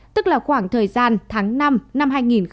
tức là khoảng thời gian tháng năm năm hai nghìn hai mươi